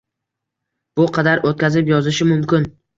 Bu qadar o’tkazib yozishi mumkin